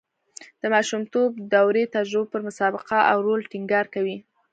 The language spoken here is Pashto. د ماشومتوب دورې تجربو پر سابقه او رول ټینګار کوي